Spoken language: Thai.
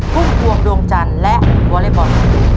ภูมิภวงดวงจันทร์และวอเรย์บอร์